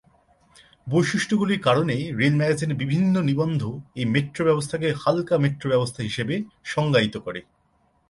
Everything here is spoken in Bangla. বৈশিষ্ট্যগুলির কারণে, রেল ম্যাগাজিনের বিভিন্ন নিবন্ধ এই মেট্রো ব্যবস্থাকে হালকা মেট্রো ব্যবস্থা হিসেবে সংজ্ঞায়িত করে।